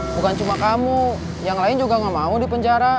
bukan cuma kamu yang lain juga nggak mau di penjara